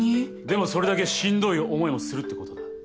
でもそれだけしんどい思いもするってことだ。